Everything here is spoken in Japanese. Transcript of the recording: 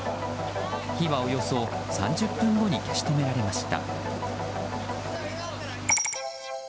火はおよそ３０分後に消し止められました。